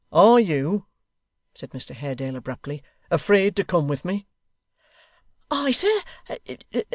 'Are you,' said Mr Haredale abruptly, 'afraid to come with me?' 'I, sir?